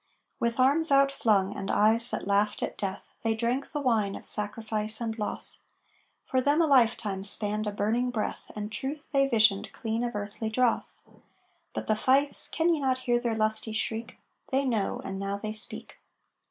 With arms outflung, and eyes that laughed at Death, They drank the wine of sacrifice and loss; For them a life time spanned a burning breath, And Truth they visioned, clean of earthly dross. But the Fifes can ye not hear their lusty shriek? They know, and now they speak!